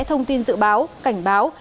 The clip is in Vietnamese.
thông tin dự báo cảnh báo